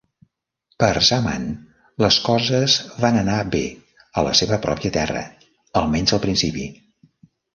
Per Zaman, les coses van anar bé a la seva pròpia terra, almenys al principi.